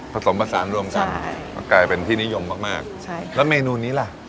ผสมผสานรวมกันมันกลายเป็นที่นิยมมากมากใช่แล้วเมนูนี้ล่ะ